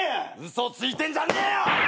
嘘ついてんじゃねえよ！